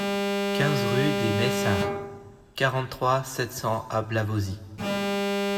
quinze rue des Maissard, quarante-trois, sept cents à Blavozy